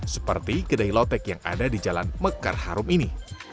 seperti kedai lotek yang ada di jalan mekar harum ini